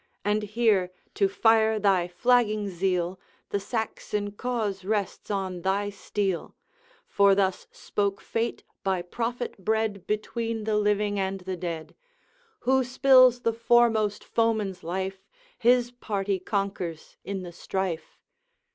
And hear, to fire thy flagging zeal, The Saxon cause rests on thy steel; For thus spoke Fate by prophet bred Between the living and the dead:" Who spills the foremost foeman's life, His party conquers in the strife."'